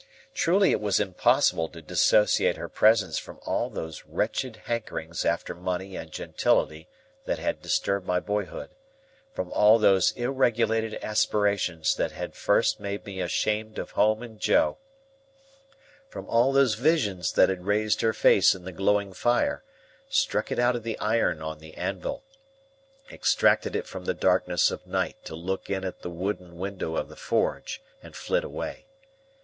Truly it was impossible to dissociate her presence from all those wretched hankerings after money and gentility that had disturbed my boyhood,—from all those ill regulated aspirations that had first made me ashamed of home and Joe,—from all those visions that had raised her face in the glowing fire, struck it out of the iron on the anvil, extracted it from the darkness of night to look in at the wooden window of the forge, and flit away.